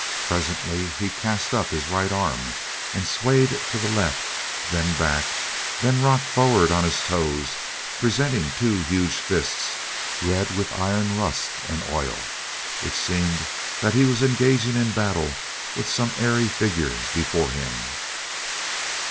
Presently he cast up his right arm and swayed to the left; then back; then rocked forward on his toes presenting two huge fists red with iron rust and oil. It seemed that he was engaging in battle with some airy figure before him.